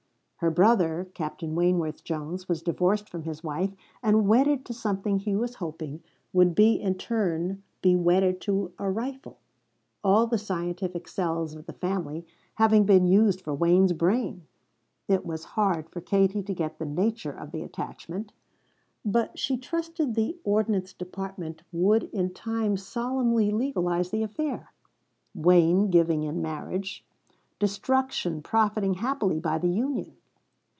Her brother, Captain Wayneworth Jones, was divorced from his wife and wedded to something he was hoping would in turn be wedded to a rifle; all the scientific cells of the family having been used for Wayne's brain, it was hard for Katie to get the nature of the attachment, but she trusted the ordnance department would in time solemnly legalize the affair Wayne giving in marriage destruction profiting happily by the union.